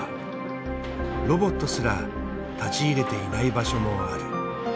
ロボットすら立ち入れていない場所もある。